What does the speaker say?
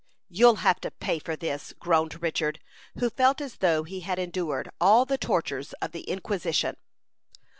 "You'll have to pay for this," groaned Richard, who felt as though he had endured all the tortures of the Inquisition.